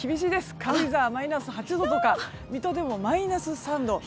軽井沢、マイナス８度水戸でもマイナス３度。